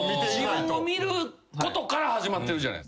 自分を見ることから始まってるじゃない。